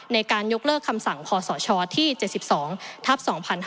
ในการยกเลิกคำสั่งคศที่๗๒ทัพ๒๕๕๙